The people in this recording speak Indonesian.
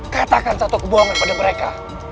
katakan satu kebohongan pada mereka